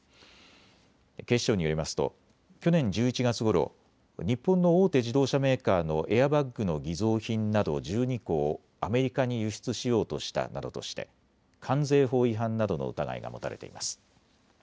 警視庁によりますと去年１１月ごろ日本の大手自動車メーカーのエアバッグの偽造品など１２個をアメリカに輸出しようとしたなどとして関税法違反などの疑いが持たれています。